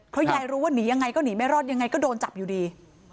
เพราะยายรู้ว่าหนียังไงก็หนีไม่รอดยังไงก็โดนจับอยู่ดี